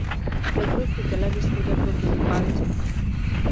The Group is the largest media group in the Baltics.